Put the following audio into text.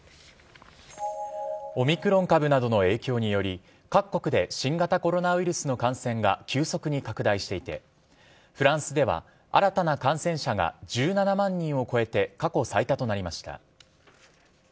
オミクロン株などの影響により、各国で新型コロナウイルスの感染が急速に拡大していて、フランスでは、新たな感染者が１７万人を超えて過去最多となりました。